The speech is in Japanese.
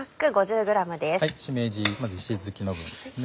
しめじまず石突きの部分です。